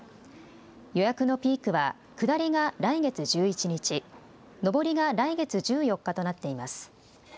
予約のピークは下りが来月１１日、上りが来月１４日となっています。